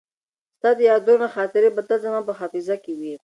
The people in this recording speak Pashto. ستا د یادونو خاطرې به تل زما په حافظه کې وي.